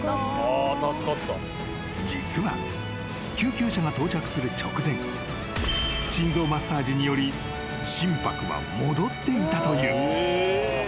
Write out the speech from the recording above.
［実は救急車が到着する直前心臓マッサージにより心拍は戻っていたという］